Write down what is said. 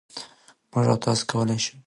مـوږ او تاسـو کـولی شـو